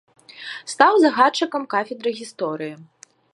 Стаў загадчыкам кафедры гісторыі.